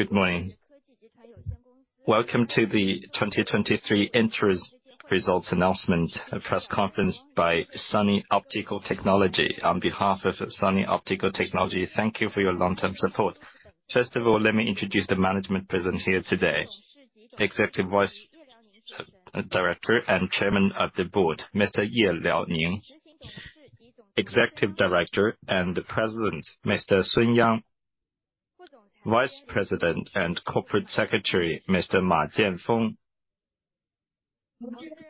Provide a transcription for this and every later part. Good morning. Welcome to the 2023 interest results announcement, a press conference by Sunny Optical Technology. On behalf of Sunny Optical Technology, thank you for your long-term support. First of all, let me introduce the management present here today. Executive Director and Chairman of the Board, Mr. Ye Liaoning. Executive Director and President, Mr. Sun Yang. Vice President and Corporate Secretary, Mr. Ma Jianfeng.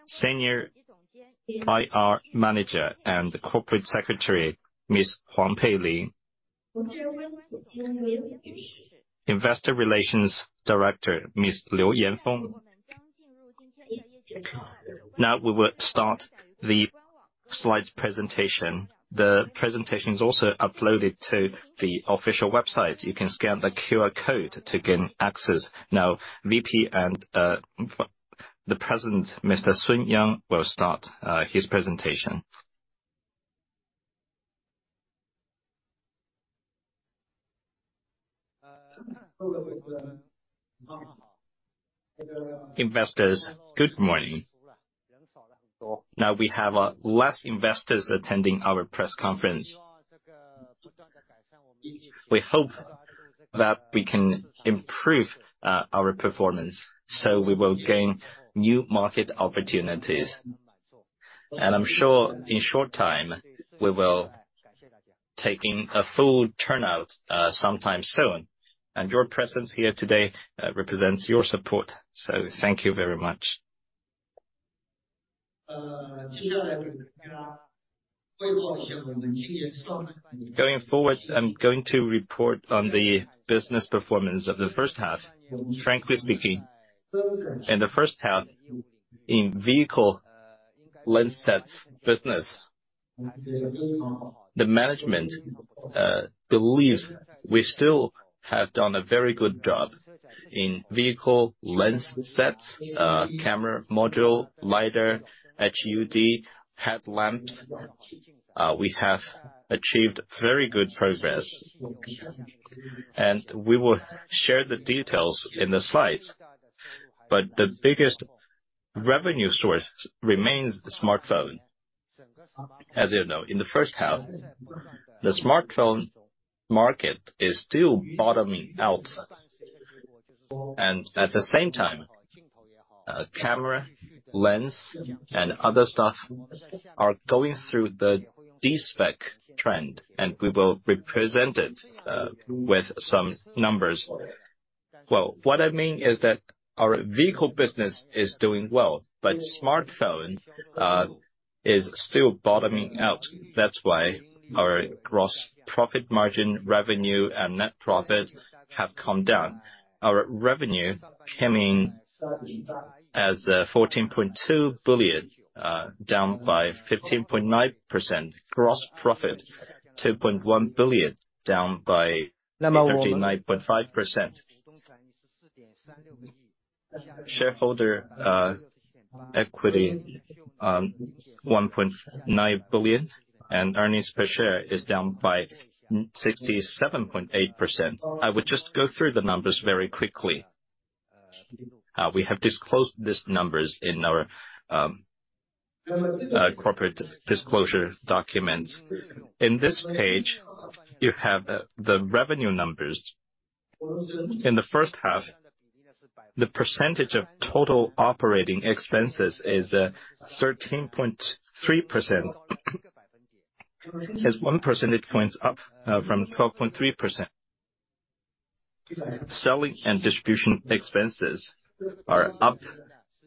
Senior IR Manager and Corporate Secretary, Ms. Huang Peilin. Investor Relations Director, Ms. Liu Yanfeng. Now we will start the slides presentation. The presentation is also uploaded to the official website. You can scan the QR code to gain access now. VP and the president, Mr. Sun Yang, will start his presentation. Investors, good morning. Now we have less investors attending our press conference. We hope that we can improve our performance, so we will gain new market opportunities. I'm sure in short time, we will taking a full turnout sometime soon. Your presence here today, represents your support, so thank you very much. Going forward, I'm going to report on the business performance of the first half. Frankly speaking, in the first half, in vehicle lens sets business, the management believes we still have done a very good job. In vehicle lens sets, camera module, LiDAR, HUD, headlamps, we have achieved very good progress. We will share the details in the slides. The biggest revenue source remains the smartphone. As you know, in the first half, the smartphone market is still bottoming out. At the same time, camera, lens, and other stuff are going through the de-spec trend, and we will represent it with some numbers. What I mean is that our vehicle business is doing well, but smartphone is still bottoming out. That's why our gross profit margin, revenue, and net profit have come down. Our revenue coming as $14.2 billion, down by 15.9%. Gross profit, $2.1 billion, down by 59.5%. Shareholder equity, $1.9 billion, and earnings per share is down by 67.8%. I would just go through the numbers very quickly. We have disclosed these numbers in our corporate disclosure documents. In this page, you have the revenue numbers. In the first half, the percentage of total operating expenses is 13.3%. It's 1 percentage point up from 12.3%. Selling and distribution expenses are up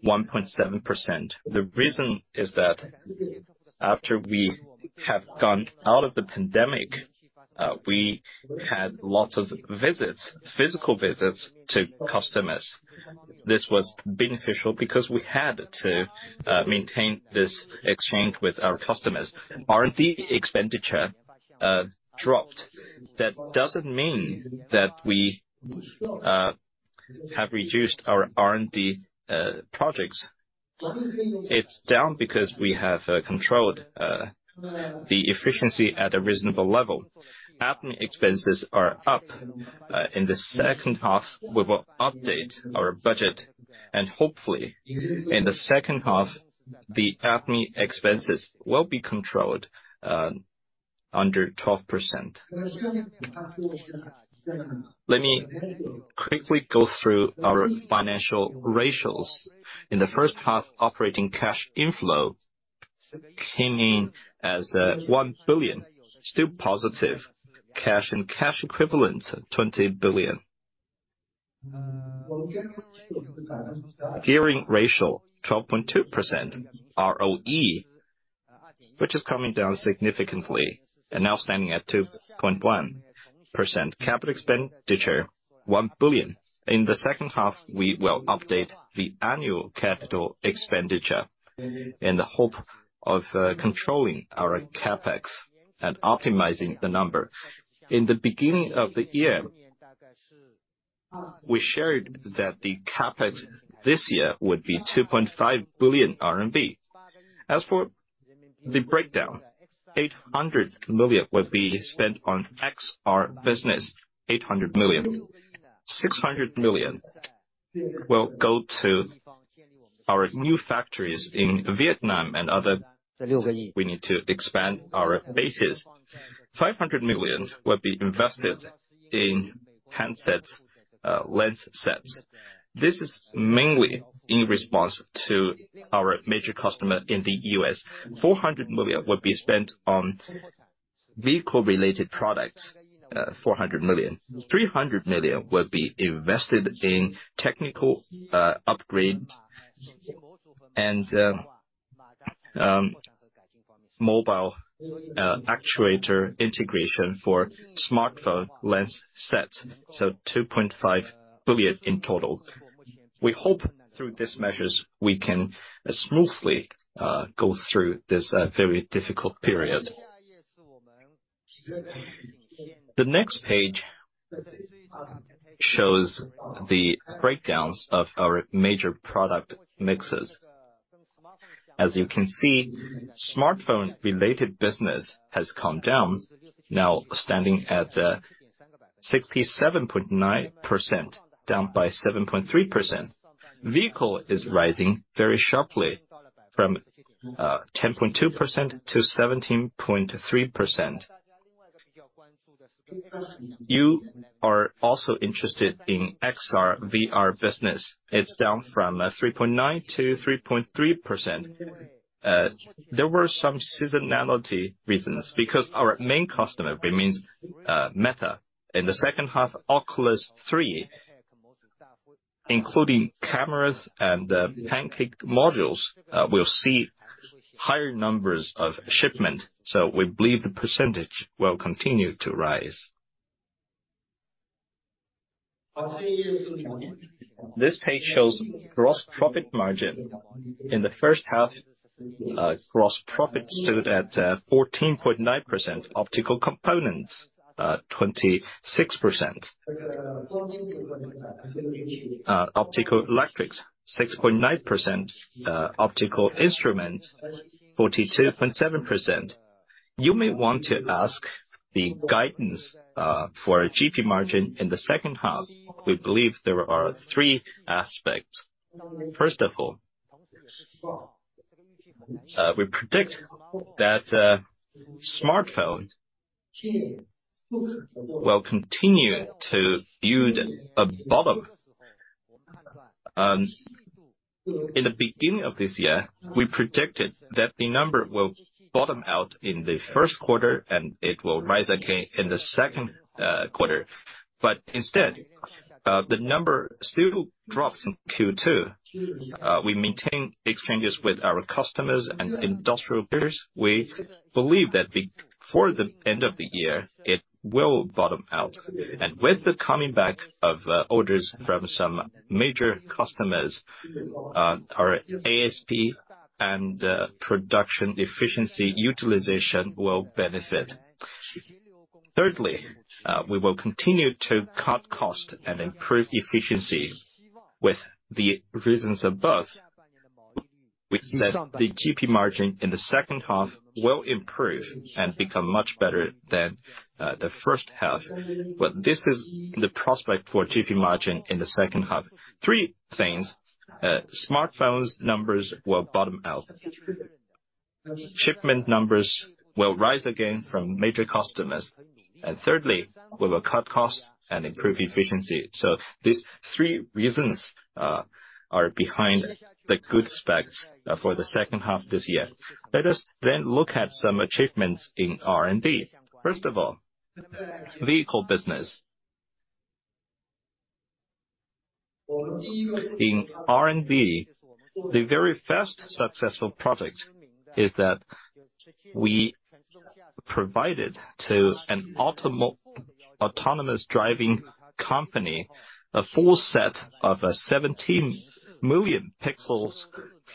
1.7%. The reason is that after we have gone out of the pandemic, we had lots of visits, physical visits to customers. This was beneficial because we had to maintain this exchange with our customers. R&D expenditure dropped. That doesn't mean that we have reduced our R&D projects. It's down because we have controlled the efficiency at a reasonable level. Admin expenses are up. In the second half, we will update our budget, and hopefully, in the second half, the admin expenses will be controlled under 12%. Let me quickly go through our financial ratios. In the first half, operating cash inflow came in as 1 billion, still positive. Cash and cash equivalents, 20 billion. Gearing ratio, 12.2%. ROE, which is coming down significantly and now standing at 2.1%. Capital expenditure, 1 billion. In the second half, we will update the annual capital expenditure in the hope of controlling our CapEx and optimizing the number. In the beginning of the year, we shared that the CapEx this year would be 2.5 billion RMB. As for. The breakdown, 800 million will be spent on XR business. 800 million. 600 million will go to our new factories in Vietnam and other, we need to expand our bases. 500 million will be invested in handsets, lens sets. This is mainly in response to our major customer in the US. 400 million will be spent on vehicle-related products, 400 million. 300 million will be invested in technical upgrade and mobile actuator integration for smartphone lens sets, so 2.5 billion in total. We hope through these measures, we can smoothly go through this very difficult period. The next page shows the breakdowns of our major product mixes. As you can see, smartphone-related business has come down, now standing at 67.9%, down by 7.3%. Vehicle is rising very sharply, from 10.2% to 17.3%. You are also interested in XR, VR business. It's down from 3.9% to 3.3%. There were some seasonality reasons, because our main customer remains Meta. In the second half, Oculus 3, including cameras and Pancake modules, will see higher numbers of shipment, so we believe the percentage will continue to rise. This page shows gross profit margin. In the first half, gross profit stood at 14.9%, optical components 26%. Optical electrics 6.9%, optical instruments 42.7%. You may want to ask the guidance for our GP margin in the second half. We believe there are three aspects. First of all, we predict that smartphone will continue to build a bottom. In the beginning of this year, we predicted that the number will bottom out in the first quarter, and it will rise again in the second quarter. Instead, the number still drops in Q2. We maintain exchanges with our customers and industrial peers. We believe that for the end of the year, it will bottom out. With the coming back of orders from some major customers, our ASP and production efficiency utilization will benefit. Thirdly, we will continue to cut cost and improve efficiency with the reasons above, which that the GP margin in the second half will improve and become much better than the first half. This is the prospect for GP margin in the second half. Three things: smartphones numbers will bottom out, shipment numbers will rise again from major customers, and thirdly, we will cut costs and improve efficiency. These three reasons are behind the good specs for the second half this year. Let us then look at some achievements in R&D. First of all, vehicle business. In R&D, the very first successful project is that we provided to an autonomous driving company, a full set of 17 million pixels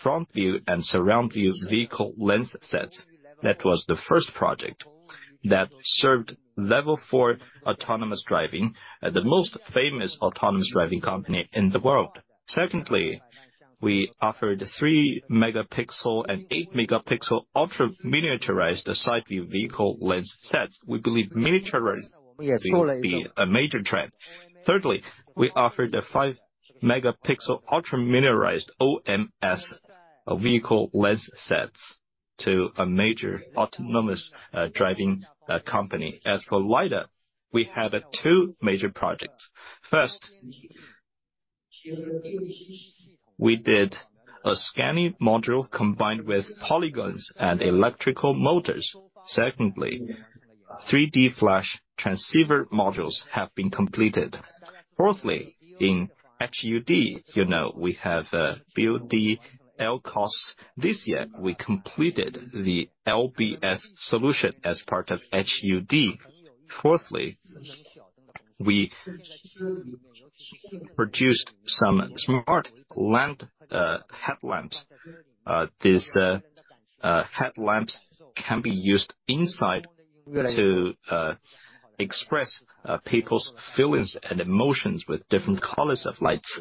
front view and Surround View vehicle lens sets. That was the first project that served Level 4 autonomous driving, and the most famous autonomous driving company in the world. Secondly, we offered 3 MP and 8 MP ultra miniaturized side view vehicle lens sets. We believe miniaturization will be a major trend. Thirdly, we offered a 5-megapixel, ultra miniaturized OMS vehicle lens sets to a major autonomous driving company. As for LiDAR, we have two major projects. First, we did a scanning module combined with polygons and electrical motors. Secondly, 3D flash transceiver modules have been completed. Fourthly, in HUD, you know, we have built the LCOS. This year, we completed the LBS solution as part of HUD. Fourthly, we produced some smart lamps, headlamps. These headlamps can be used inside-... to express people's feelings and emotions with different colors of lights.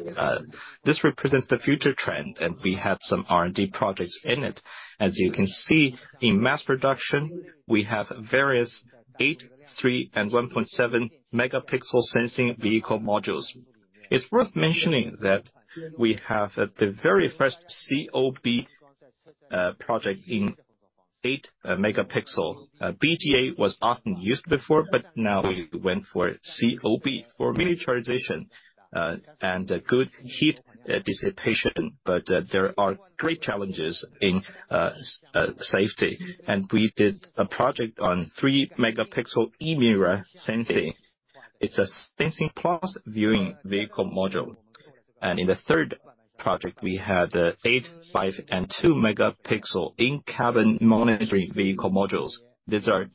This represents the future trend, and we have some R&D projects in it. As you can see, in mass production, we have various 8, 3, and 1.7 MP sensing vehicle modules. It's worth mentioning that we have the very first COB project in 8 MP. BGA was often used before, but now we went for COB for miniaturization, and a good heat dissipation. There are great challenges in safety, and we did a project on 3 MP e-mirror sensing. It's a sensing plus viewing vehicle module. In the third project, we had 8, 5, and 2 MP in-cabin monitoring vehicle modules. These are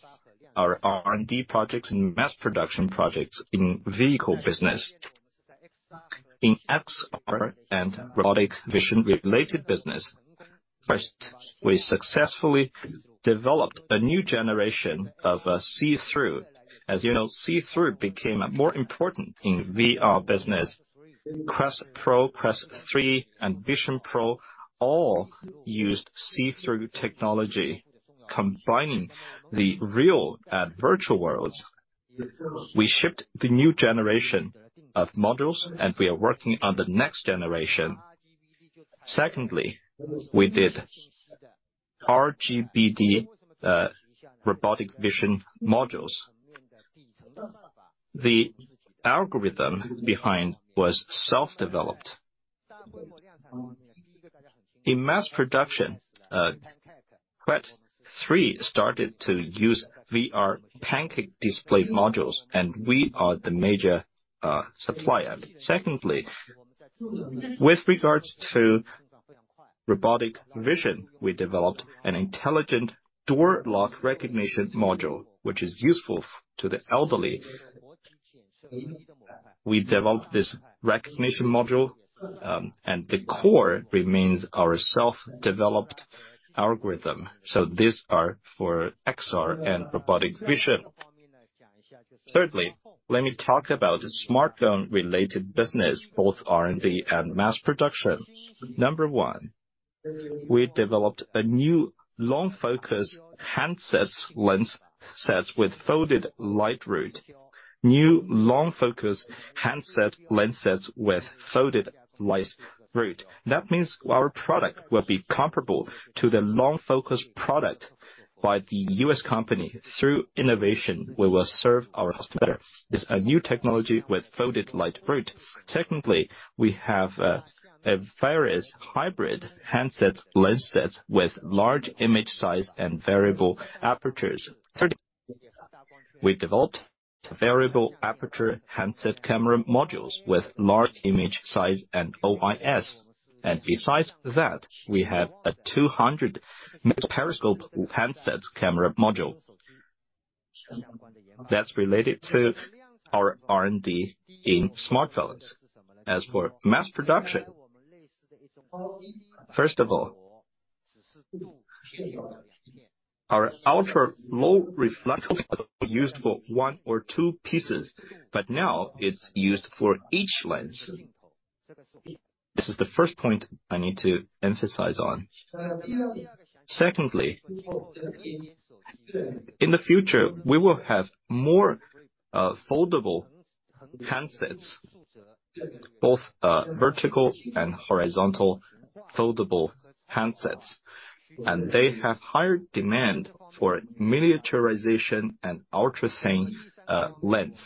our R&D projects and mass production projects in vehicle business. In XR and robotic vision-related business, first, we successfully developed a new generation of see-through. As you know, see-through became more important in VR business. Quest Pro, Quest 3, and Vision Pro all used see-through technology, combining the real and virtual worlds. We shipped the new generation of modules, and we are working on the next generation. We did RGBD robotic vision modules. The algorithm behind was self-developed. In mass production, Quest 3 started to use VR Pancake display modules, and we are the major supplier. With regards to robotic vision, we developed an intelligent door lock recognition module, which is useful to the elderly. We developed this recognition module, and the core remains our self-developed algorithm. These are for XR and robotic vision. Thirdly, let me talk about smartphone-related business, both R&D and mass production. Number 1, we developed a new long-focus handsets lens sets with folded light route. New long-focus handset lens sets with folded light route. Means our product will be comparable to the long-focus product by the U.S. company. Through innovation, we will serve our customer better. It's a new technology with folded light route. Secondly, we have a various hybrid handset lens sets with large image size and variable apertures. Third, we developed variable aperture handset camera modules with large image size and OIS. Besides that, we have a 200 MP handset camera module. Related to our R&D in smartphones. As for mass production, first of all, our ultra-low reflective used for 1 or 2 pieces, but now it's used for each lens. This is the first point I need to emphasize on. Secondly, in the future, we will have more foldable handsets, both vertical and horizontal foldable handsets, and they have higher demand for miniaturization and ultra-thin lens.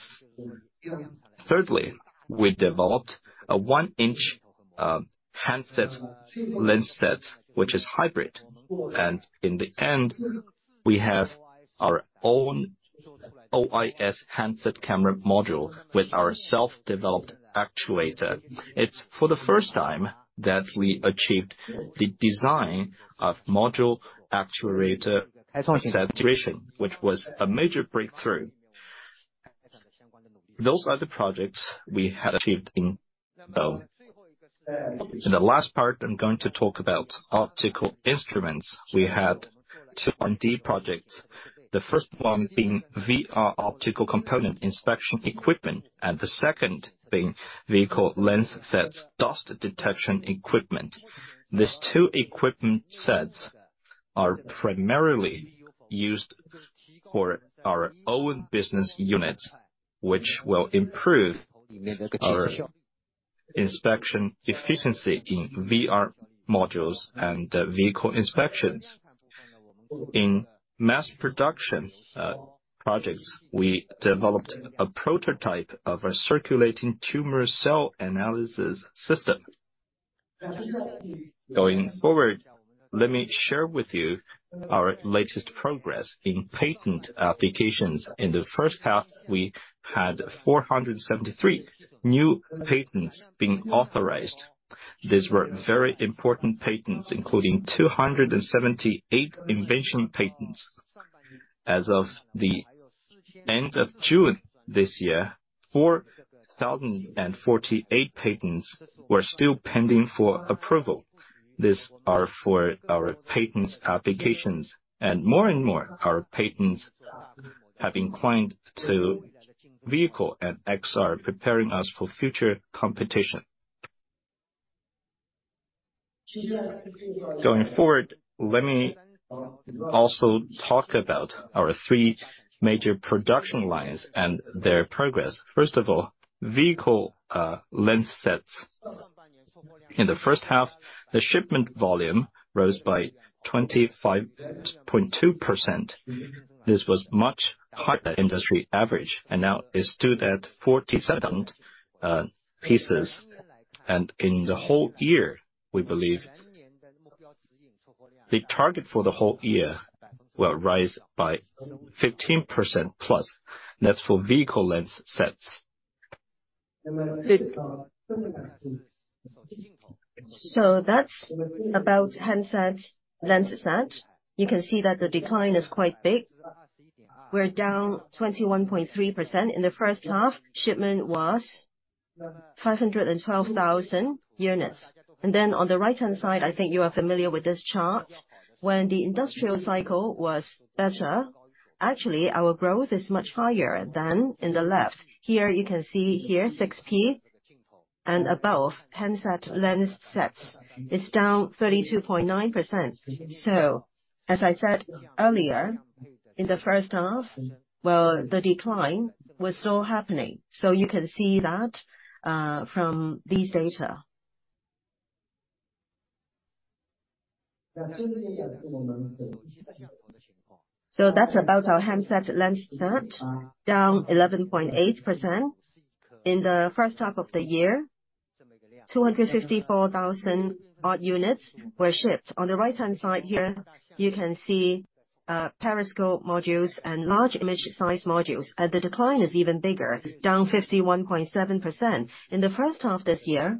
Thirdly, we developed a 1-inch handset lens set, which is hybrid. In the end, we have our own OIS handset camera module with our self-developed actuator. It's for the first time that we achieved the design of module actuator saturation, which was a major breakthrough. Those are the projects we had achieved in. In the last part, I'm going to talk about optical instruments. We had two R&D projects, the first one being VR optical component inspection equipment, and the second being vehicle lens sets, dust detection equipment. These two equipment sets are primarily used for our own business units, which will improve our inspection efficiency in VR modules and vehicle inspections. In mass production, projects, we developed a prototype of a circulating tumor cell analysis system. Going forward, let me share with you our latest progress in patent applications. In the first half, we had 473 new patents being authorized. These were very important patents, including 278 invention patents. As of the end of June this year, 4,048 patents were still pending for approval. These are for our patents applications, more and more our patents have inclined to vehicle and XR, preparing us for future competition. Going forward, let me also talk about our three major production lines and their progress. First of all, vehicle, lens sets. In the first half, the shipment volume rose by 25.2%. This was much higher than industry average, now it stood at 47 pieces. In the whole year, we believe the target for the whole year will rise by 15%+. That's for vehicle lens sets. That's about handset lens set. You can see that the decline is quite big. We're down 21.3%. In the first half, shipment was 512,000 units. On the right-hand side, I think you are familiar with this chart. When the industrial cycle was better, actually, our growth is much higher than in the left. Here, you can see here, 6 P and above, handset lens sets is down 32.9%. As I said earlier, in the first half, well, the decline was still happening, so you can see that from these data. That's about our handset lens set, down 11.8%. In the first half of the year, 254,000 odd units were shipped. On the right-hand side here, you can see periscope modules and large image size modules. The decline is even bigger, down 51.7%. In the first half this year,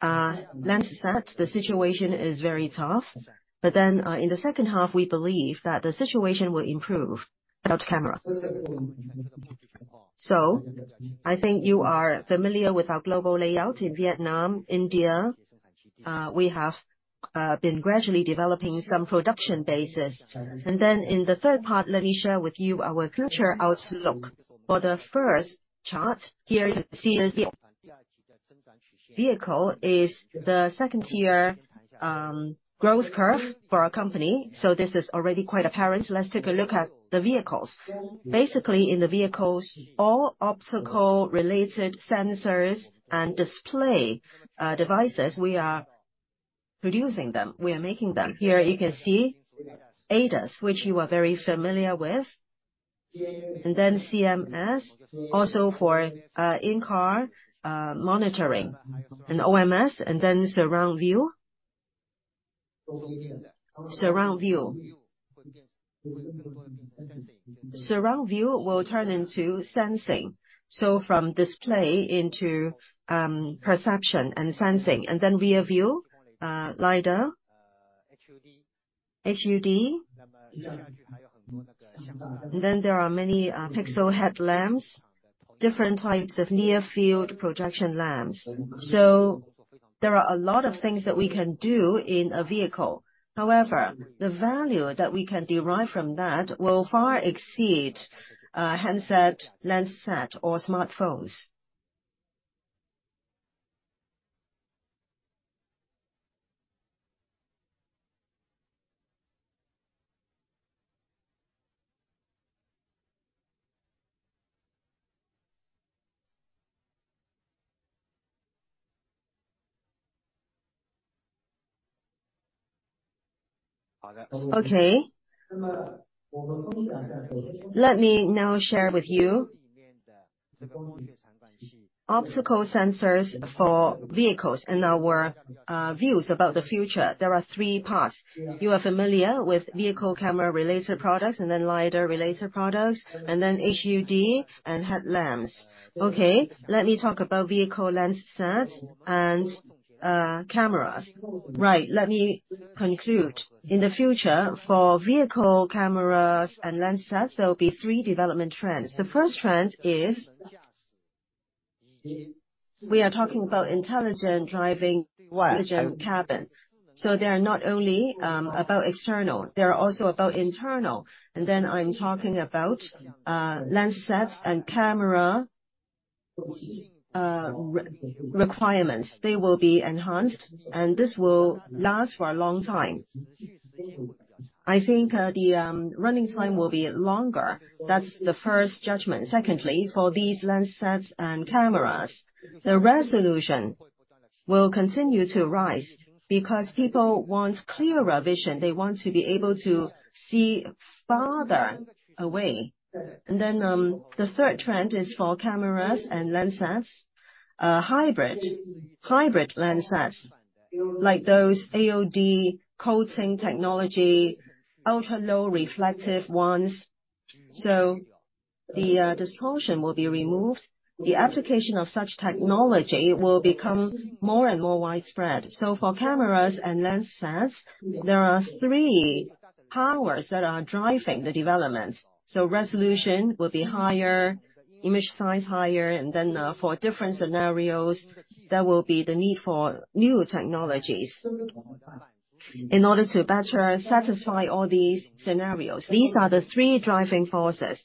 for lens set, the situation is very tough. Then, in the second half, we believe that the situation will improve, without camera. I think you are familiar with our global layout in Vietnam, India. We have been gradually developing some production bases. In the third part, let me share with you our future outlook. For the first chart, here you can see this vehicle. Vehicle is the second-tier growth curve for our company. This is already quite apparent. Let's take a look at the vehicles. Basically, in the vehicles, all optical-related sensors and display devices, we are producing them, we are making them. Here you can see ADAS, which you are very familiar with, and then CMS, also for in-car monitoring, and OMS, and then Surround View. Surround View. Surround View will turn into sensing, so from display into perception and sensing, and then rear view, LiDAR, HUD. Then there are many pixel headlamps, different types of near-field projection lamps. There are a lot of things that we can do in a vehicle. However, the value that we can derive from that will far exceed handset, lens set, or smartphones. Okay. Let me now share with you... obstacle sensors for vehicles and our views about the future. There are three parts. You are familiar with vehicle camera-related products, and then LiDAR-related products, and then HUD and headlamps. Okay, let me talk about vehicle lens sets and cameras. Right, let me conclude. In the future, for vehicle cameras and lens sets, there will be three development trends. First trend is, we are talking about intelligent driving, intelligent cabin. They are not only about external, they are also about internal. I'm talking about lens sets and camera re-requirements. They will be enhanced, and this will last for a long time. I think the running time will be longer. That's the first judgment. Secondly, for these lens sets and cameras, the resolution will continue to rise because people want clearer vision. They want to be able to see farther away. The third trend is for cameras and lens sets, hybrid, hybrid lens sets, like those ALD coating technology, ultra-low reflective ones. The distortion will be removed. The application of such technology will become more and more widespread. For cameras and lens sets, there are three powers that are driving the development. Resolution will be higher, image size higher, and then, for different scenarios, there will be the need for new technologies. In order to better satisfy all these scenarios, these are the three driving forces.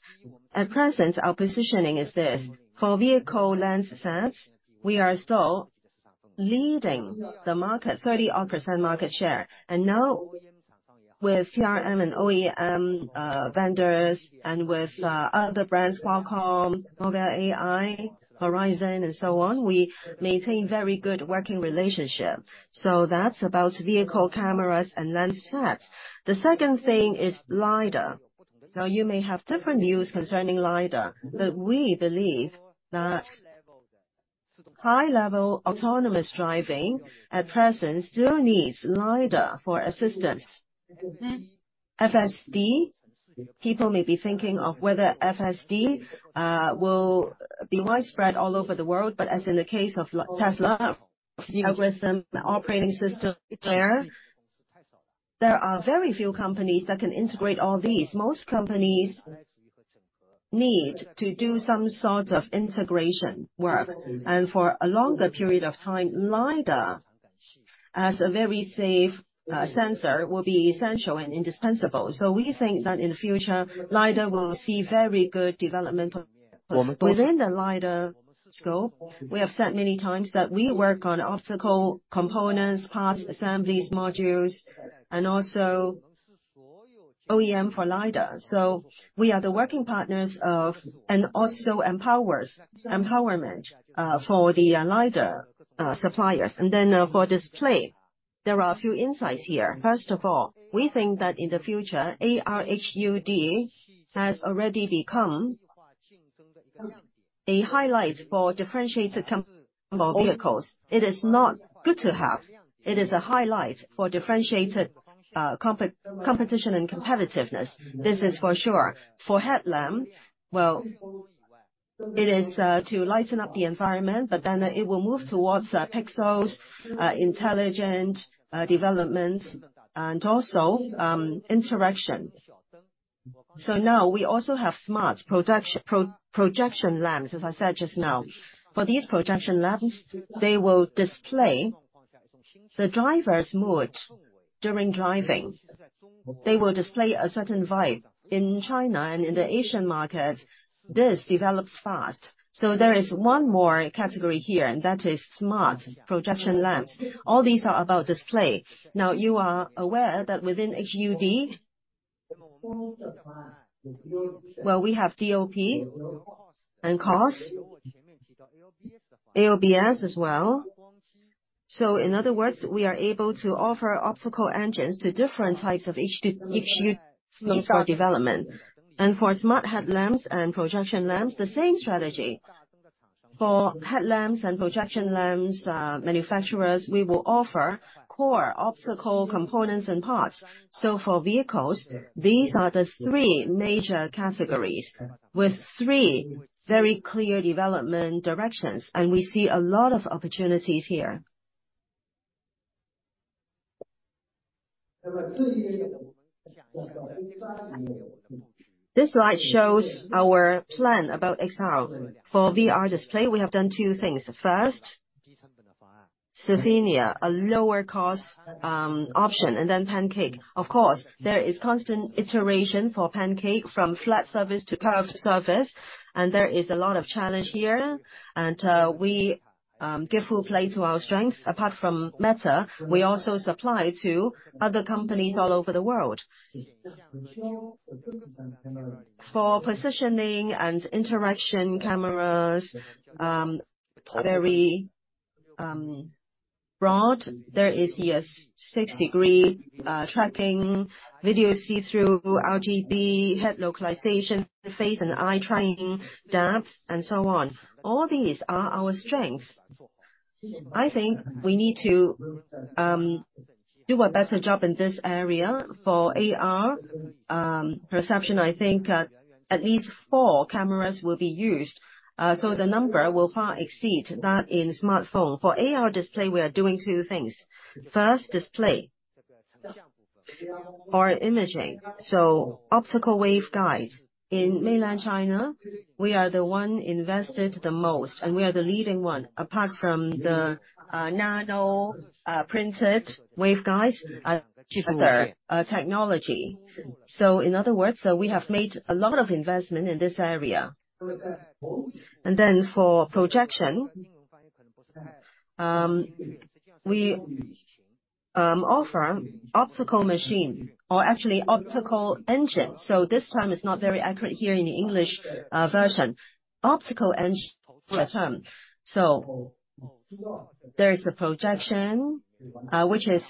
At present, our positioning is this: for vehicle lens sets, we are still leading the market, 30 odd % market share. Now, with ODM and OEM vendors, and with other brands, Qualcomm, Mobileye, Horizon, and so on, we maintain very good working relationship. That's about vehicle cameras and lens sets. The second thing is LiDAR. Now, you may have different views concerning LiDAR, but we believe that high-level autonomous driving, at present, still needs LiDAR for assistance. FSD, people may be thinking of whether FSD will be widespread all over the world. As in the case of Tesla, the algorithm, the operating system, there are very few companies that can integrate all these. Most companies need to do some sort of integration work, and for a longer period of time, LiDAR, as a very safe sensor, will be essential and indispensable. We think that in the future, LiDAR will see very good development. Within the LiDAR scope, we have said many times that we work on optical components, parts, assemblies, modules, and also OEM for LiDAR. We are the working partners of... Also empowerment for the LiDAR suppliers. For display, there are a few insights here. First of all, we think that in the future, AR HUD has already become a highlight for differentiated mobile vehicles. It is not good to have. It is a highlight for differentiated competition and competitiveness. This is for sure. For headlamp, well, it is to lighten up the environment, but then it will move towards pixels, intelligent development, and also interaction. Now we also have smart projection lamps, as I said just now. For these projection lamps, they will display the driver's mood during driving. They will display a certain vibe. In China and in the Asian market, this develops fast. There is one more category here, and that is smart projection lamps. All these are about display. You are aware that within HUD, well, we have DLP and LCOS, LBS as well. In other words, we are able to offer optical engines to different types of HUD for development. For smart headlamps and projection lamps, the same strategy. For headlamps and projection lamps, manufacturers, we will offer core optical components and parts. For vehicles, these are the three major categories, with three very clear development directions, and we see a lot of opportunities here. This slide shows our plan about XR. For VR display, we have done two things. First, Fresnel, a lower-cost option, and then Pancake. Of course, there is constant iteration for Pancake, from flat surface to curved surface, and there is a lot of challenge here. We give full play to our strengths. Apart from Meta, we also supply to other companies all over the world. For positioning and interaction cameras, very broad, there is yes, six degree tracking, video see-through, RGB, head localization, face and eye tracking, depth, and so on. All these are our strengths. I think we need to do a better job in this area. For AR perception, I think at least four cameras will be used, so the number will far exceed that in smartphone. For AR display, we are doing two things. First, display or imaging. So optical waveguide. In mainland China, we are the one invested the most, and we are the leading one, apart from the nano printed waveguide technology. So in other words, we have made a lot of investment in this area. Then for projection, we offer optical machine, or actually, optical engine. So this term is not very accurate here in the English version. Optical engine, for a term. So there is the projection, which is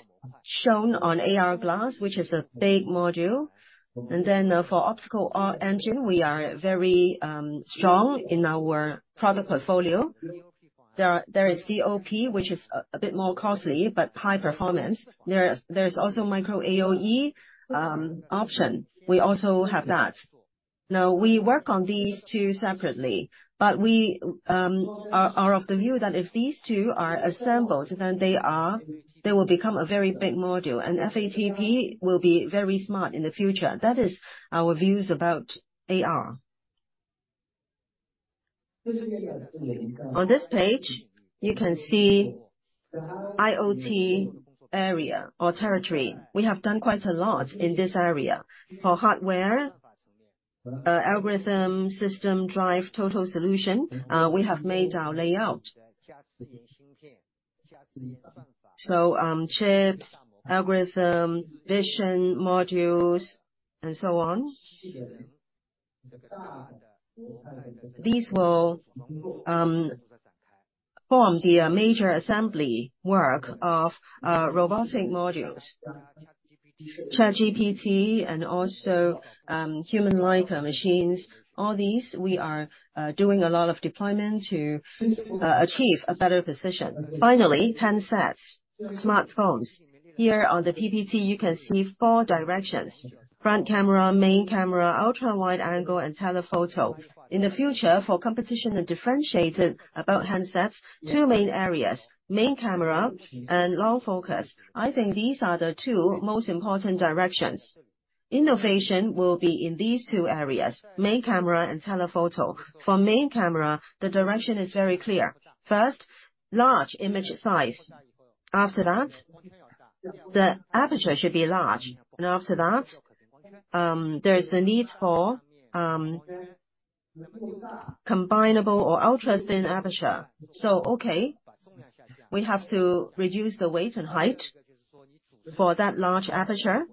shown on AR glass, which is a big module. For optical engine, we are very strong in our product portfolio. There is DOP, which is a bit more costly, but high performance. There is, there's also micro DOE option. We also have that. Now, we work on these two separately, but we are of the view that if these two are assembled, then they will become a very big module, and FATP will be very smart in the future. That is our views about AR. On this page, you can see IoT area or territory. We have done quite a lot in this area. For hardware, algorithm, system, drive, total solution, we have made our layout. Chips, algorithm, vision, modules, and so on. These will form the major assembly work of robotic modules. ChatGPT and also, human-like machines, all these, we are doing a lot of deployment to achieve a better position. Finally, handsets, smartphones. Here on the PPT, you can see four directions: front camera, main camera, ultra wide angle, and telephoto. In the future, for competition and differentiation about handsets, two main areas, main camera and long focus. I think these are the two most important directions. Innovation will be in these two areas, main camera and telephoto. For main camera, the direction is very clear. First, large image size. After that, the aperture should be large, and after that, there is the need for combinable or ultra-thin aperture. Okay, we have to reduce the weight and height for that large aperture.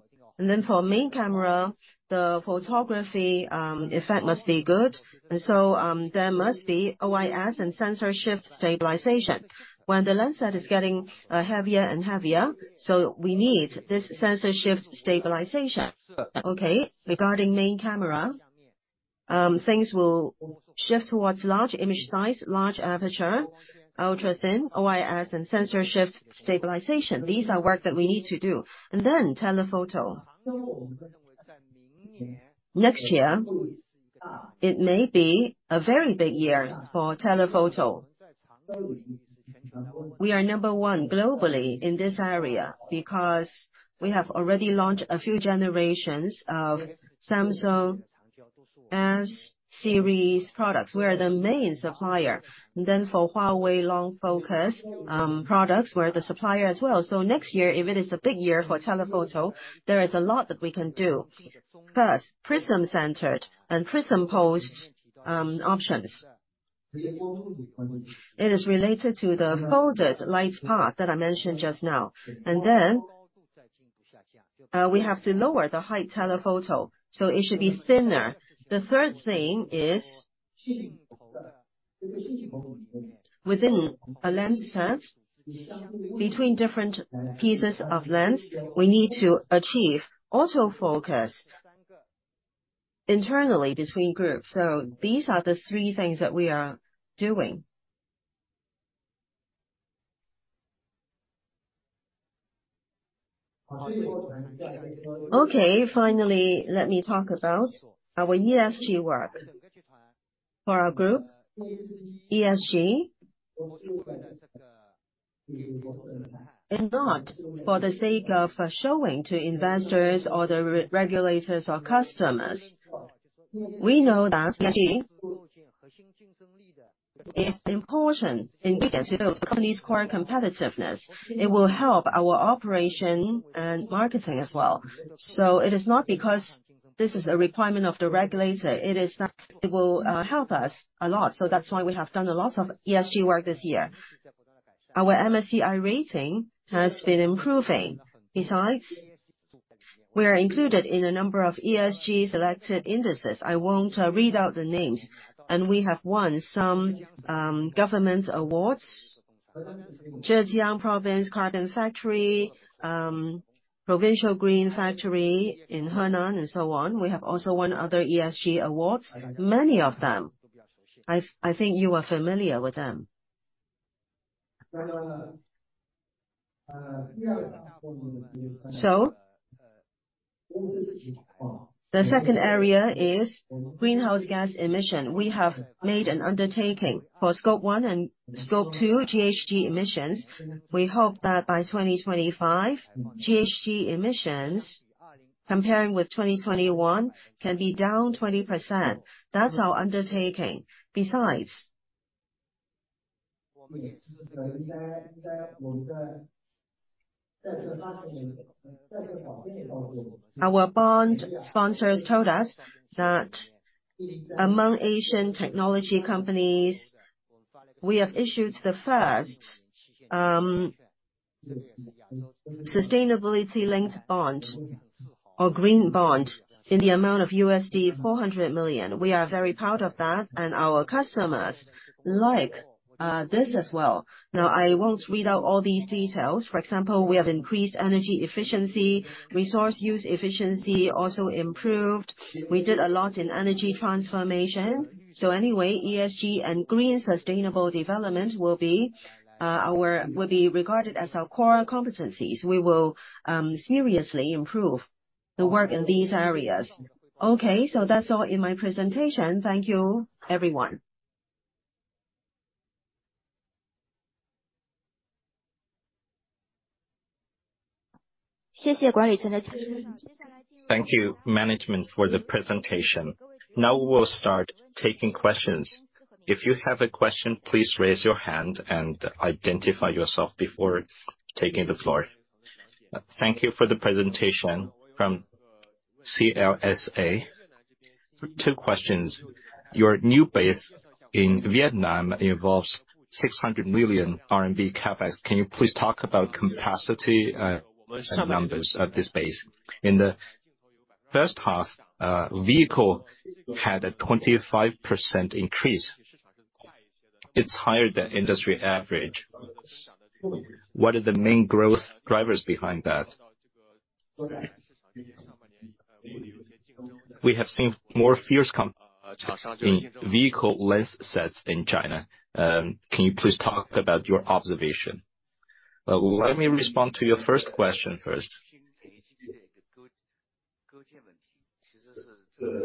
For main camera, the photography effect must be good, there must be OIS and sensor shift stabilization. When the lens set is getting heavier and heavier, so we need this sensor shift stabilization. Okay, regarding main camera, things will shift towards large image size, large aperture, ultra-thin, OIS, and sensor shift stabilization. These are work that we need to do. Telephoto. Next year, it may be a very big year for telephoto. We are number one globally in this area because we have already launched a few generations of Samsung S-series products. We are the main supplier. For Huawei long-focus products, we're the supplier as well. Next year, if it is a big year for telephoto, there is a lot that we can do. First, prism-centered and prism-post options. It is related to the folded light path that I mentioned just now. We have to lower the height telephoto, so it should be thinner. The third thing is. Within a lens set, between different pieces of lens, we need to achieve auto focus internally between groups. These are the three things that we are doing. Okay, finally, let me talk about our ESG work. For our group, ESG is not for the sake of showing to investors or the regulators or customers. We know that ESG is important and we can build the company's core competitiveness. It will help our operation and marketing as well. It is not because this is a requirement of the regulator, it is that it will help us a lot. That's why we have done a lot of ESG work this year. Our MSCI rating has been improving. Besides, we are included in a number of ESG-selected indices. I won't read out the names, and we have won some government awards. Zhejiang Province Carbon Factory, Provincial Green Factory in Henan, and so on. We have also won other ESG awards, many of them. I, I think you are familiar with them. The second area is greenhouse gas emission. We have made an undertaking. For Scope 1 and Scope 2 GHG emissions, we hope that by 2025, GHG emissions, comparing with 2021, can be down 20%. That's our undertaking. Besides, our bond sponsors told us that among Asian technology companies, we have issued the first sustainability-linked bond or green bond in the amount of $400 million. We are very proud of that, and our customers like this as well. Now, I won't read out all these details. For example, we have increased energy efficiency, resource use efficiency also improved. We did a lot in energy transformation. Anyway, ESG and green sustainable development will be regarded as our core competencies. We will seriously improve the work in these areas. That's all in my presentation. Thank you, everyone. Thank you, management, for the presentation. Now we will start taking questions. If you have a question, please raise your hand and identify yourself before taking the floor. Thank you for the presentation. From CLSA. Two questions: Your new base in Vietnam involves 600 million RMB CapEx. Can you please talk about capacity and numbers at this base? In the first half, vehicle had a 25% increase. It's higher than industry average. What are the main growth drivers behind that? We have seen more fierce comp in vehicle lens sets in China. Can you please talk about your observation? Let me respond to your first question first.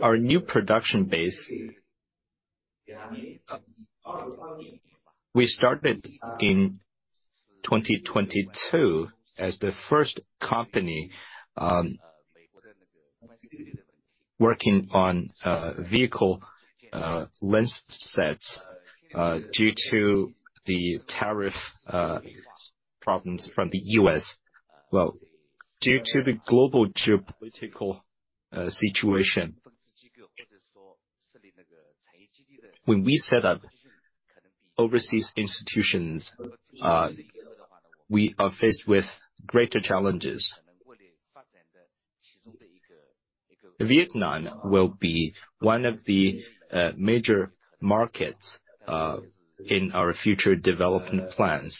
Our new production base, we started in 2022 as the first company, working on vehicle lens sets, due to the tariff problems from the U.S. Well, due to the global geopolitical situation, when we set up overseas institutions, we are faced with greater challenges. Vietnam will be one of the major markets in our future development plans.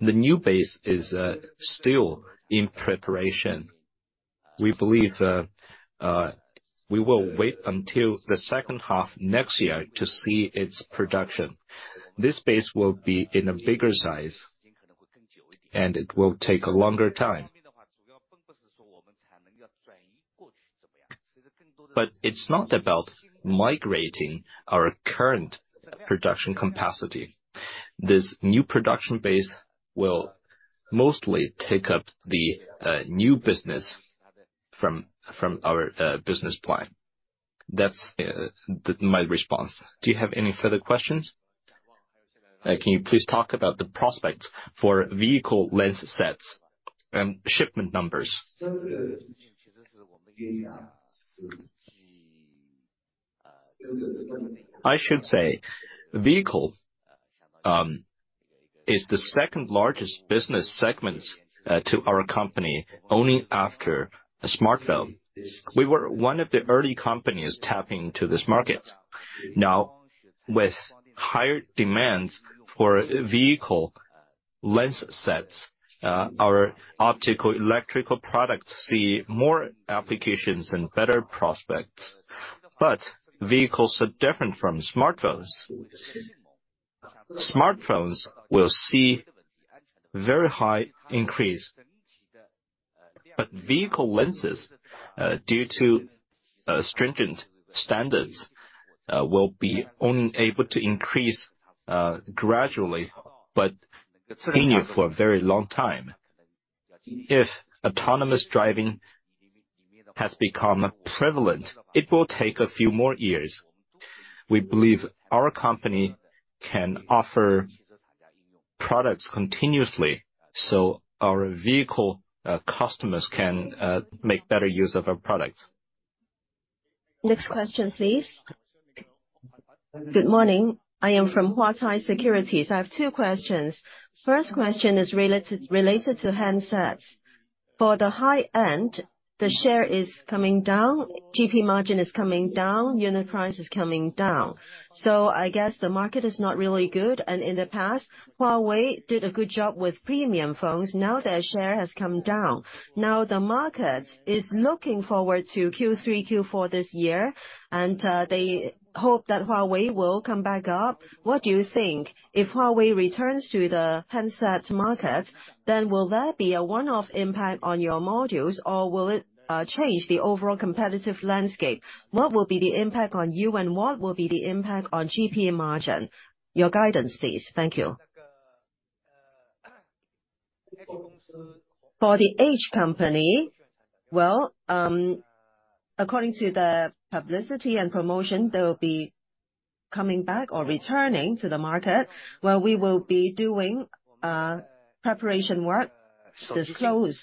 The new base is still in preparation. We believe that we will wait until the 2nd half next year to see its production. This base will be in a bigger size, and it will take a longer time. It's not about migrating our current production capacity. This new production base will mostly take up the new business from, from our business plan. That's my response. Do you have any further questions? Can you please talk about the prospects for vehicle lens sets and shipment numbers? I should say, vehicle, is the 2nd-largest business segments to our company, only after a smartphone. We were one of the early companies tapping to this market. Now, with higher demands for vehicle lens sets, our optical electrical products see more applications and better prospects. Vehicles are different from smartphones. Smartphones will see very high increase. Vehicle lenses, due to stringent standards, will be only able to increase gradually, but continue for a very long time. If autonomous driving has become prevalent, it will take a few more years. We believe our company can offer products continuously, so our vehicle customers can make better use of our products. Next question, please. Good morning. Morning, I am from Huatai Securities. I have two questions. First question is related, related to handsets. For the high end, the share is coming down, GP margin is coming down, unit price is coming down. I guess the market is not really good, and in the past, Huawei did a good job with premium phones. Now their share has come down. The market is looking forward to Q3, Q4 this year, and they hope that Huawei will come back up. What do you think? If Huawei returns to the handset market, then will there be a one-off impact on your modules, or will it change the overall competitive landscape? What will be the impact on you, and what will be the impact on GP margin? Your guidance, please. Thank you. For the Huawei company, well, according to the publicity and promotion, they will be coming back or returning to the market, where we will be doing preparation work, disclose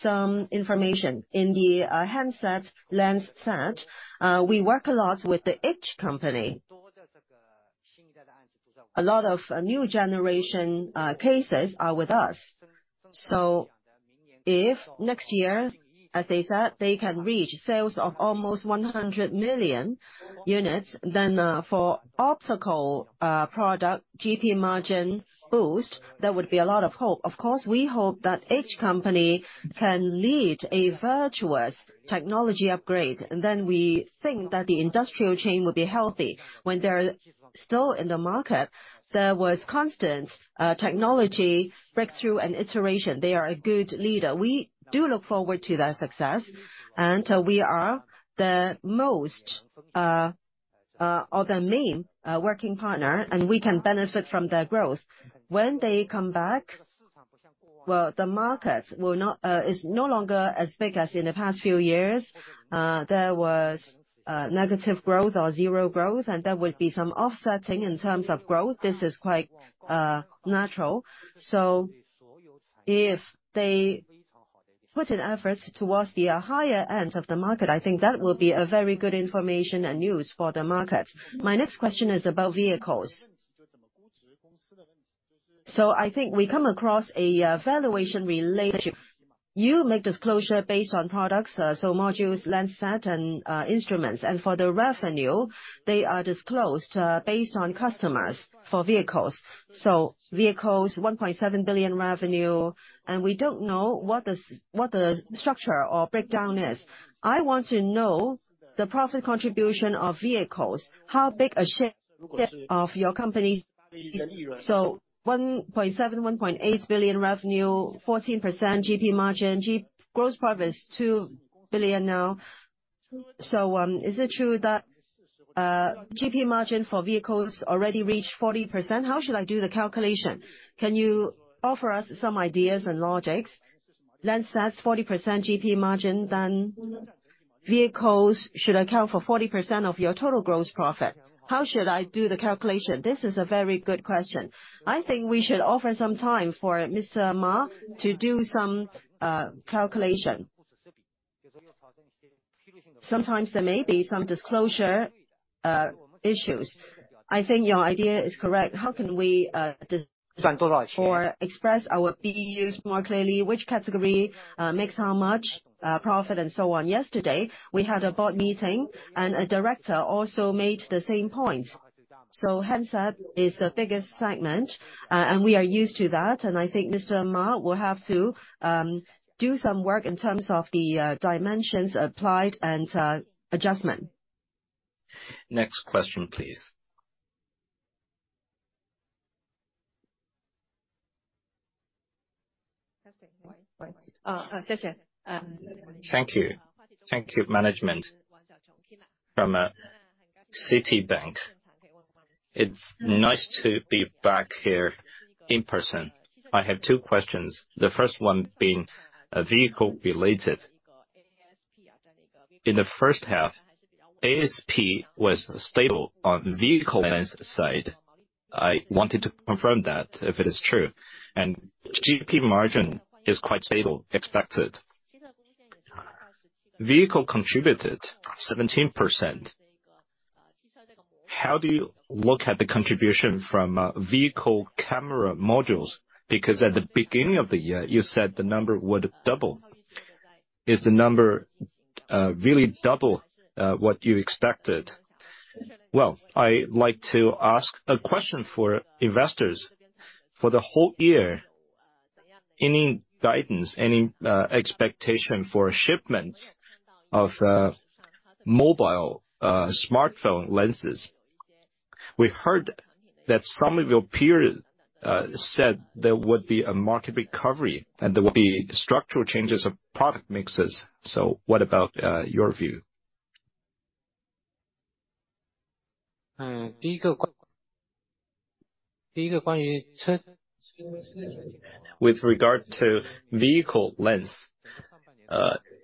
some information. In the handset, lens set, we work a lot with the Huawei company. A lot of new generation cases are with us. If next year, as they said, they can reach sales of almost 100 million units, then for optical product, GP margin boost, there would be a lot of hope. Of course, we hope that Huawei company can lead a virtuous technology upgrade, and then we think that the industrial chain will be healthy. When they're still in the market, there was constant technology, breakthrough, and iteration. They are a good leader. We do look forward to their success, and we are the most, or the main, working partner, and we can benefit from their growth. When they come back. Well, the market will not is no longer as big as in the past few years. There was negative growth or zero growth, and there would be some offsetting in terms of growth. This is quite natural. If they put in efforts towards the higher end of the market, I think that will be a very good information and news for the market. My next question is about vehicles. I think we come across a valuation relationship. You make disclosure based on products, so modules, lens set, and instruments. For the revenue, they are disclosed based on customers for vehicles. Vehicles, 1.7 billion revenue, and we don't know what the what the structure or breakdown is. I want to know the profit contribution of vehicles. How big a share of your company? 1.7 billion-$1.8 billion revenue, 14% GP margin, gross profit is $2 billion now. Is it true that GP margin for vehicles already reached 40%? How should I do the calculation? Can you offer us some ideas and logics? Lens sets, 40% GP margin, vehicles should account for 40% of your total gross profit. How should I do the calculation? This is a very good question. I think we should offer some time for Mr. Ma to do some calculation. Sometimes there may be some disclosure issues. I think your idea is correct. How can we or express our BEUs more clearly, which category makes how much profit and so on? Yesterday, we had a board meeting, and a director also made the same point. Handset is the biggest segment, and we are used to that, and I think Mr. Ma will have to, do some work in terms of the, dimensions applied and, adjustment. Next question, please. Xie xie. Thank you. Thank you, management, from Citibank. It's nice to be back here in person. I have two questions, the first one being vehicle-related. In the first half, ASP was stable on vehicle lens side. I wanted to confirm that if it is true, and GP margin is quite stable, expected. Vehicle contributed 17%. How do you look at the contribution from vehicle camera modules? Because at the beginning of the year, you said the number would double. Is the number really double what you expected? Well, I like to ask a question for investors. For the whole year, any guidance, any expectation for shipments of mobile smartphone lenses? We heard that some of your peers said there would be a market recovery, and there will be structural changes of product mixes. What about your view? With regard to vehicle lens,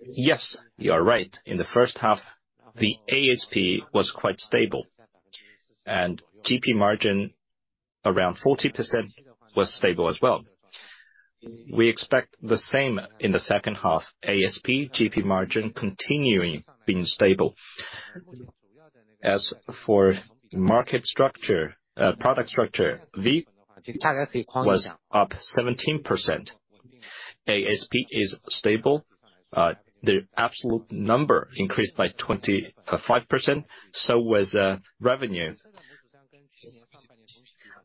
yes, you are right. In the first half, the ASP was quite stable, and GP margin, around 40%, was stable as well. We expect the same in the second half, ASP, GP margin continuing being stable. As for market structure, product structure, V was up 17%. ASP is stable. The absolute number increased by 25%, so was revenue.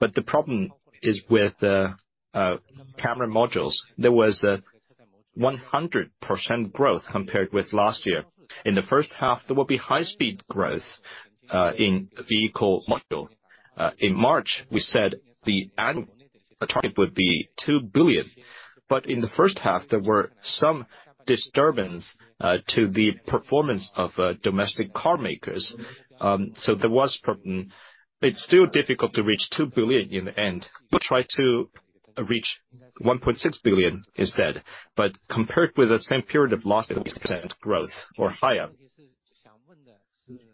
The problem is with the camera modules. There was a 100% growth compared with last year. In the first half, there will be high-speed growth in vehicle module. In March, we said the target would be 2 billion, but in the first half, there were some disturbance to the performance of domestic car makers. There was problem. It's still difficult to reach $2 billion in the end. We'll try to reach $1.6 billion instead. Compared with the same period of last year, % growth or higher.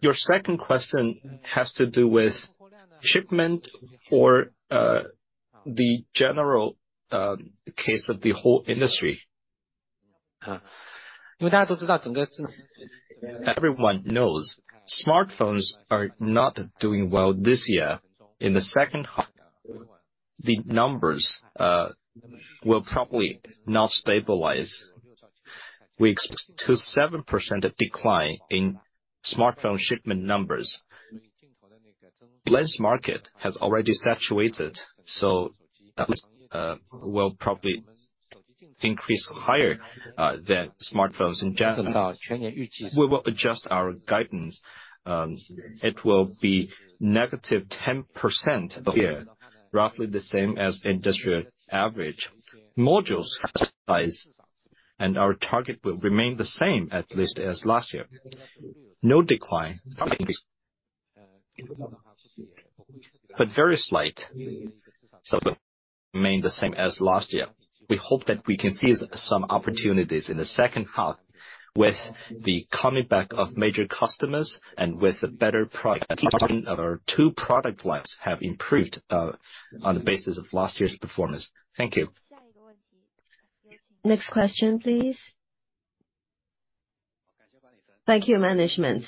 Your second question has to do with shipment or the general case of the whole industry. Everyone knows smartphones are not doing well this year. In the second half, the numbers will probably not stabilize. We expect to 7% decline in smartphone shipment numbers. Lens market has already saturated, will probably increase higher than smartphones in general. We will adjust our guidance. It will be -10% the year, roughly the same as industrial average. Modules have stabilized, our target will remain the same, at least as last year. No decline. Very slight. The remained the same as last year. We hope that we can seize some opportunities in the second half with the coming back of major customers and with a better product. Our two product lines have improved on the basis of last year's performance. Thank you. Next question, please. Thank you, management.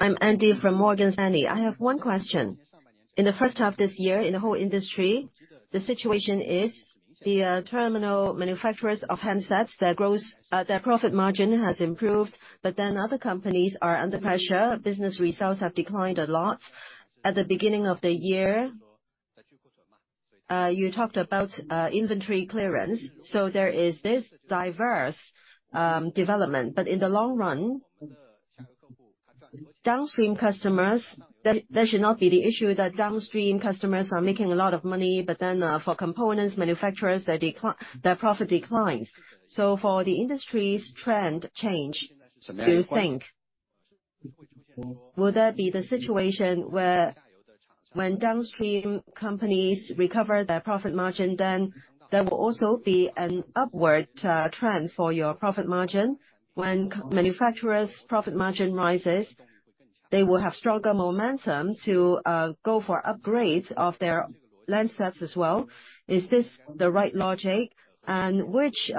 I'm Andy from Morgan Stanley. I have one question. In the first half of this year, in the whole industry, the situation is the terminal manufacturers of handsets, their growth, their profit margin has improved, but then other companies are under pressure. Business results have declined a lot. At the beginning of the year, you talked about inventory clearance, so there is this diverse development. In the long run, downstream customers, that should not be the issue, that downstream customers are making a lot of money, but then for components manufacturers, their profit declines. For the industry's trend change, do you think will that be the situation where when downstream companies recover their profit margin, then there will also be an upward trend for your profit margin? When manufacturers' profit margin rises, they will have stronger momentum to go for upgrades of their land sets as well. Is this the right logic? Which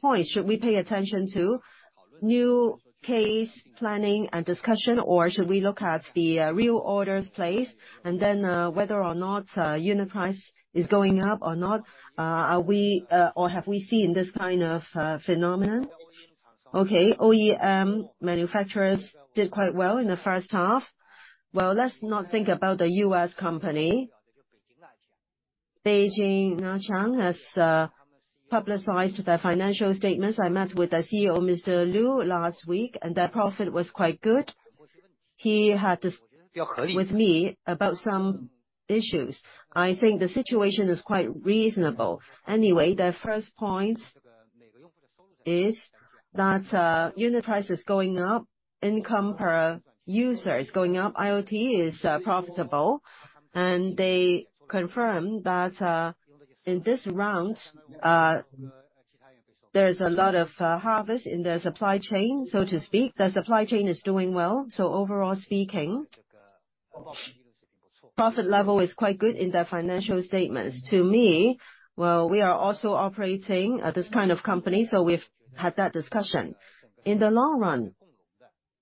point should we pay attention to? New case planning and discussion, or should we look at the real orders placed, and then whether or not unit price is going up or not? Are we or have we seen this kind of phenomenon? OEM manufacturers did quite well in the first half. Let's not think about the US company. Beijing Nanchang has publicized their financial statements. I met with their CEO, Mr. Liu, last week, and their profit was quite good. He had to with me about some issues. I think the situation is quite reasonable. Their first point is that, unit price is going up, income per user is going up, IoT is profitable, and they confirm that in this round, there's a lot of harvest in their supply chain, so to speak. Their supply chain is doing well. Overall speaking, profit level is quite good in their financial statements. To me, well, we are also operating this kind of company, so we've had that discussion. In the long run,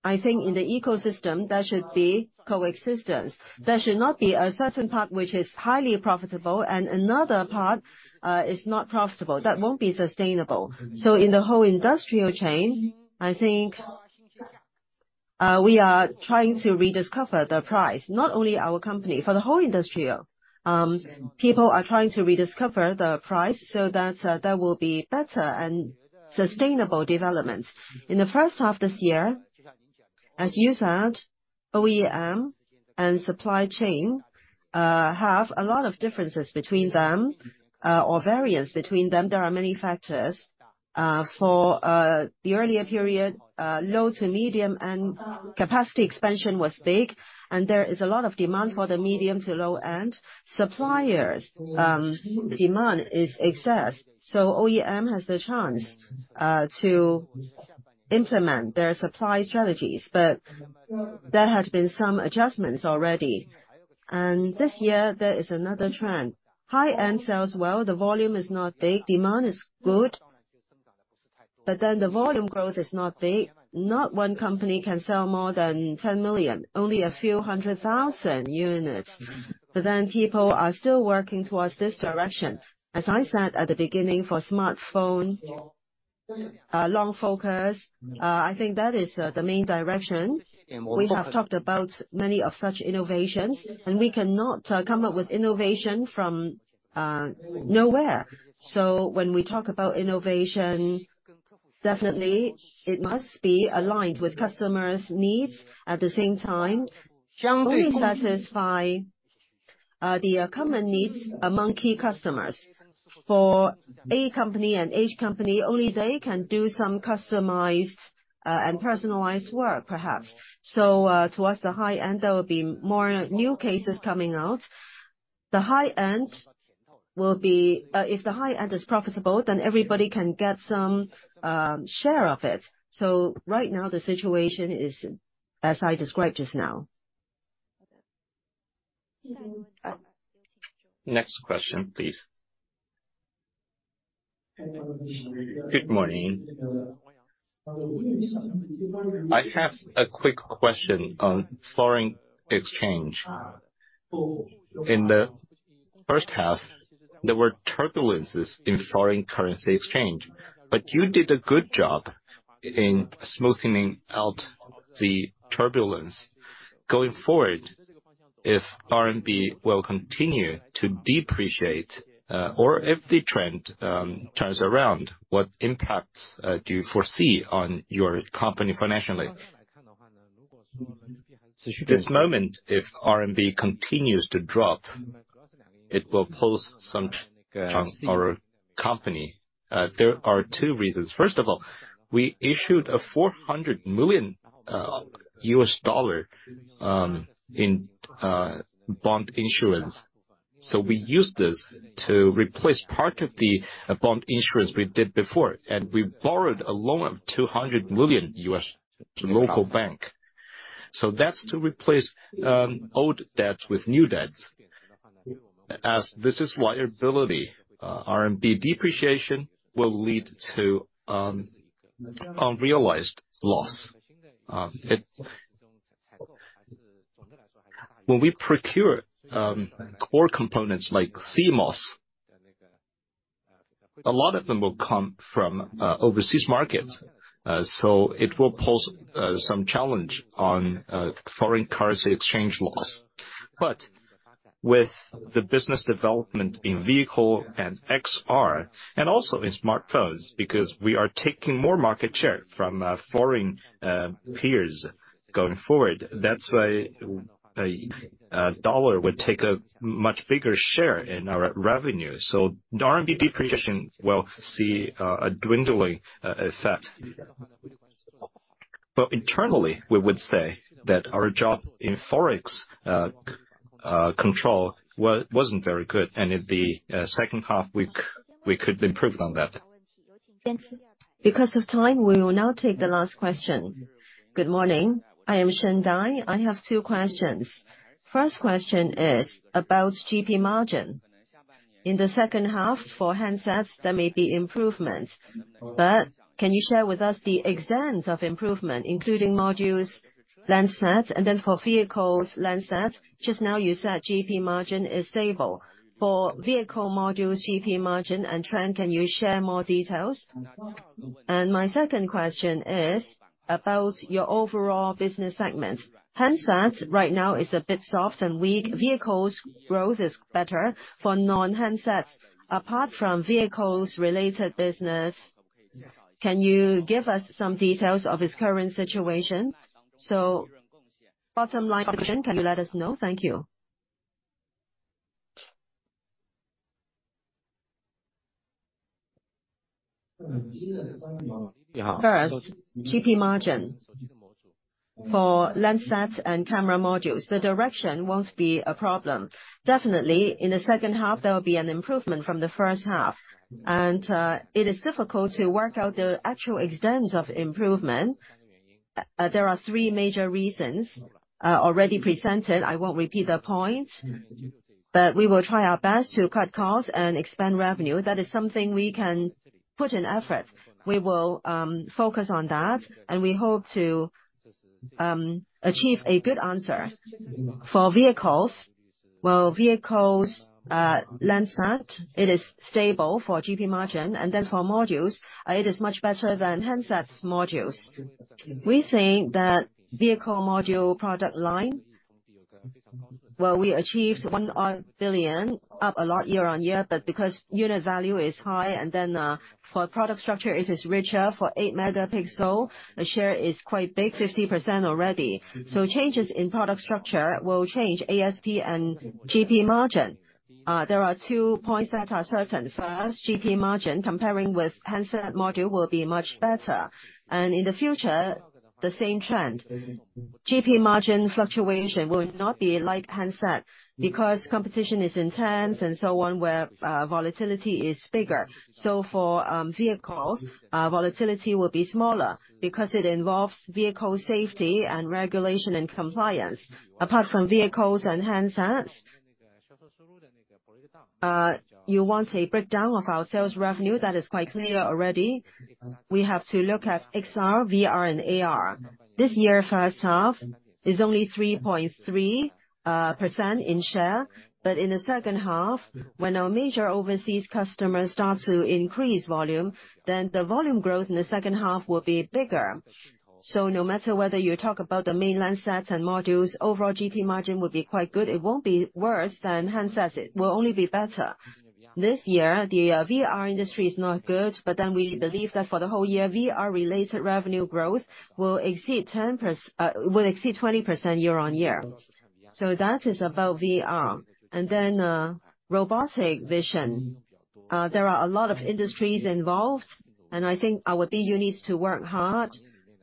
I think in the ecosystem, there should be coexistence. There should not be a certain part which is highly profitable and another part is not profitable. That won't be sustainable. In the whole industrial chain, I think, we are trying to rediscover the price. Not only our company, for the whole industrial. People are trying to rediscover the price so that there will be better and sustainable developments. In the first half this year, as you said, OEM and supply chain have a lot of differences between them or variance between them. There are many factors. For the earlier period, low to medium, and capacity expansion was big, and there is a lot of demand for the medium to low end. Suppliers' demand is excess, so OEM has the chance to implement their supply strategies. There had been some adjustments already, and this year, there is another trend. High-end sells well, the volume is not big, demand is good, but then the volume growth is not big. Not one company can sell more than 10 million, only a few 100,000 units. People are still working towards this direction. As I said at the beginning, for smartphone, long focus, I think that is the, the main direction. We have talked about many of such innovations. We cannot come up with innovation from nowhere. When we talk about innovation, definitely it must be aligned with customers' needs. At the same time, only satisfy the common needs among key customers. For Apple and Huawei, only they can do some customized and personalized work, perhaps. Towards the high end, there will be more new cases coming out. The high end will be... If the high end is profitable, then everybody can get some share of it. Right now, the situation is as I described just now. Next question, please. Good morning. I have a quick question on foreign exchange. In the first half, there were turbulences in foreign currency exchange, but you did a good job in smoothing out the turbulence. Going forward, if RMB will continue to depreciate, or if the trend turns around, what impacts do you foresee on your company financially? This moment, if RMB continues to drop, it will pose some on our company. There are two reasons. First of all, we issued a $400 million in bond insurance. We used this to replace part of the bond insurance we did before, and we borrowed a loan of $200 million to local bank. That's to replace old debts with new debts. As this is liability, RMB depreciation will lead to unrealized loss. When we procure core components like CMOS, a lot of them will come from overseas markets. It will pose some challenge on foreign currency exchange loss. With the business development in vehicle and XR, and also in smartphones, because we are taking more market share from foreign peers going forward, that's why a US dollar would take a much bigger share in our revenue. The RMB depreciation will see a dwindling effect. Internally, we would say that our job in Forex control wasn't very good, and in the second half, we could improve on that. Because of time, we will now take the last question. Good morning. I am Sheng Dai. I have two questions. First question is about GP margin. In the second half, for handsets, there may be improvements, but can you share with us the extent of improvement, including modules, lens sets, and then for vehicles, lens sets? Just now, you said GP margin is stable. For vehicle modules, GP margin and trend, can you share more details? My second question is about your overall business segment. Handsets right now is a bit soft and weak. Vehicles growth is better. For non-handsets, apart from vehicles-related business, can you give us some details of its current situation? Bottom line question, can you let us know? Thank you. First, GP margin. For lens sets and camera modules, the direction won't be a problem. Definitely, in the second half, there will be an improvement from the first half, and it is difficult to work out the actual extent of improvement. There are three major reasons already presented. I won't repeat the points, but we will try our best to cut costs and expand revenue. That is something we can put in effort. We will focus on that. We hope to achieve a good answer. For vehicles, lens set, it is stable for GP margin. For modules, it is much better than handset modules. We think that vehicle module product line, well, we achieved 1 odd billion, up a lot year-on-year. Unit value is high. For product structure, it is richer. For 8-megapixel, the share is quite big, 50% already. Changes in product structure will change ASP and GP margin. There are two points that are certain. First, GP margin, comparing with handset module, will be much better. In the future, the same trend. GP margin fluctuation will not be like handset, because competition is intense and so on, where volatility is bigger. For vehicles, volatility will be smaller because it involves vehicle safety and regulation and compliance. Apart from vehicles and handsets, you want a breakdown of our sales revenue, that is quite clear already. We have to look at XR, VR, and AR. This year, first half is only 3.3% in share, but in the second half, when our major overseas customers start to increase volume, then the volume growth in the second half will be bigger. No matter whether you talk about the mainland sets and modules, overall GP margin will be quite good. It won't be worse than handsets. It will only be better. This year, the VR industry is not good, but then we believe that for the whole year, VR-related revenue growth will exceed 20% year-over-year. That is about VR. Then, robotic vision. There are a lot of industries involved, and I think our DU needs to work hard,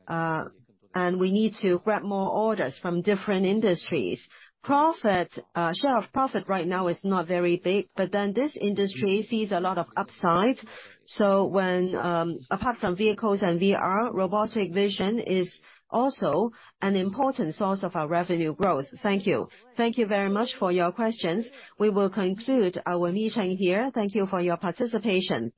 and we need to grab more orders from different industries. Profit, share of profit right now is not very big, but then this industry sees a lot of upside. When, apart from vehicles and VR, robotic vision is also an important source of our revenue growth. Thank you. Thank you very much for your questions. We will conclude our meeting here. Thank you for your participation.